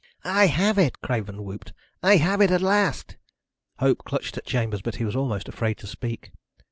"I have it!" Craven whooped. "I have it at last!" Hope clutched at Chambers, but he was almost afraid to speak.